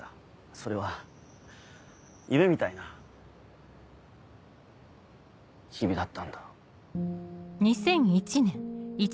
それは夢みたいな日々だったんだ。